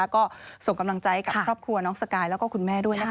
ก็ส่งกำลังใจกับครอบครัวน้องสกายแล้วก็คุณแม่ด้วยนะคะ